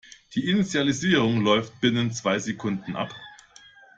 Die Initialisierung läuft binnen zwei Sekunden ab.